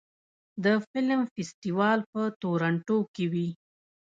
د فلم فستیوال په تورنټو کې وي.